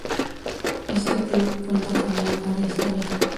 Este club cuenta con una larga historia.